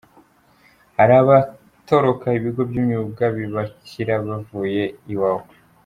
Hari abatoroka ibigo by’imyuga bibakira bavuye Iwawa